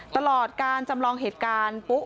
ตลอดการจำลองเหตุการณ์ปุ๊